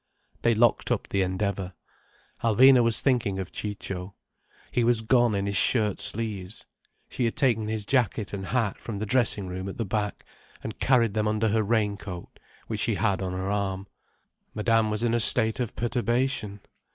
They locked up the Endeavour. Alvina was thinking of Ciccio. He was gone in his shirt sleeves. She had taken his jacket and hat from the dressing room at the back, and carried them under her rain coat, which she had on her arm. Madame was in a state of perturbation.